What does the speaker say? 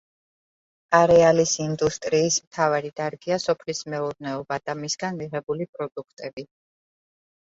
არეალის ინდუსტრიის მთავარი დარგია სოფლის მეურნეობა და მისგან მიღებული პროდუქტები.